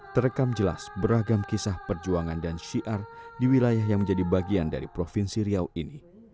terekam jelas beragam kisah perjuangan dan syiar di wilayah yang menjadi bagian dari provinsi riau ini